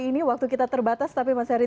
ini waktu kita terbatas tapi mas heri